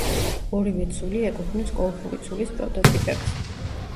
ორივე ცული ეკუთვნის კოლხური ცულის პროტოტიპებს.